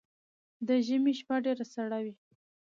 ده ژمی شپه ډیره سړه وی